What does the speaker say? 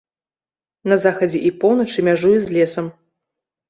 На захадзе і поўначы мяжуе з лесам.